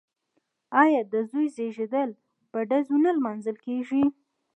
آیا د زوی زیږیدل په ډزو نه لمانځل کیږي؟